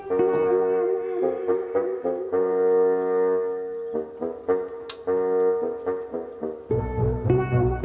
bapak malu ketemu ku soi